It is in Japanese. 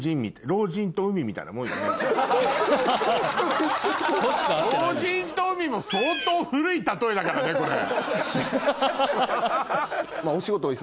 『老人と海』も相当古い例えだからねこれ。